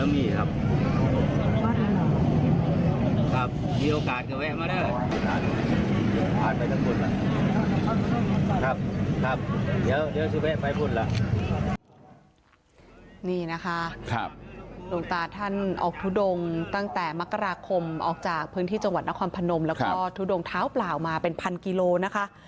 นี่นะคะหลวงตาท่านออกทุดงตั้งแต่มกราคมออกจากพื้นที่จังหวัดนครพนมแล้วก็ทุดงเท้าเปล่ามาเป็นพันกิโลนะคะ